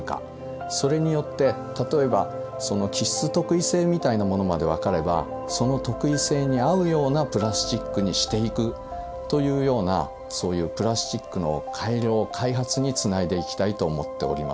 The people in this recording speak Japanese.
それによって例えばその基質特異性みたいなものまで分かればその特異性に合うようなプラスチックにしていくというようなそういうプラスチックの改良・開発につないでいきたいと思っております。